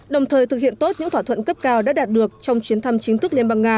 đồng thời thực hiện tốt những thỏa thuận cấp cao đã đạt được trong chuyến thăm chính thức liên bang nga